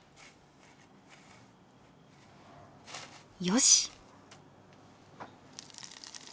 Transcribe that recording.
よし。